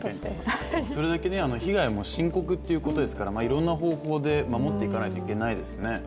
それだけ被害も深刻ということですからいろんな方法で守っていかないといけないですね。